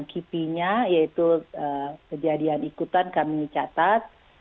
kipinya yaitu kejadian ikutan kami catat